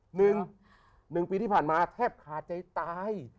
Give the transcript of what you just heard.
หนึ่งหนึ่งปีที่ผ่านมาแทบขาดใจตาย